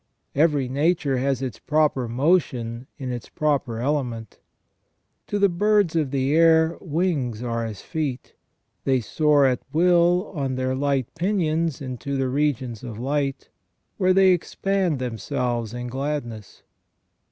Every nature has its proper motion in its proper element. To the birds of the air wings are as feet, they soar at will on their light pinions into the regions of light, where they expand themselves in gladness.